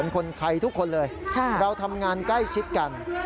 คนไทยทุกคนเลยเราทำงานใกล้ชิดกัน